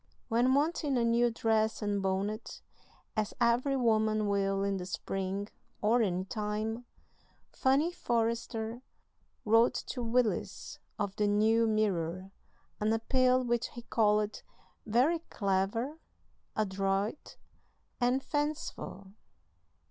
When wanting a new dress and bonnet, as every woman will in the spring (or any time), Fanny Forrester wrote to Willis, of the New Mirror, an appeal which he called "very clever, adroit, and fanciful."